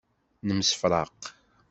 Nemsefraq.